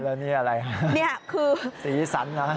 แล้วนี่อะไรสีสันนะ